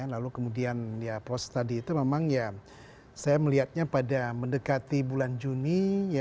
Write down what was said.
lalu kemudian ya proses tadi itu memang ya saya melihatnya pada mendekati bulan juni